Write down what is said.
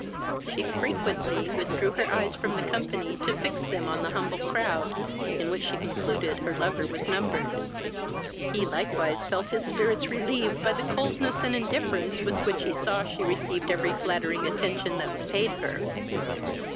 "She frequently withdrew her eyes from the company to fix them on the humble crowd, in which she concluded her lover was numbered. He likewise felt his spirits relieved by the coldness and indifference with which he saw she received every flattering attention that was paid her.